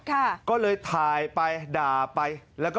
คุณก็เลยถ่ายไปด่าไป